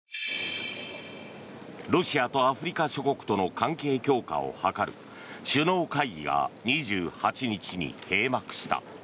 ロシアとアフリカ諸国との関係強化を図る首脳会議が２８日に閉幕した。